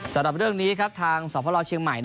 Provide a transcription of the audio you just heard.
สำหรับเรื่องนี้ครับทางสพเชียงใหม่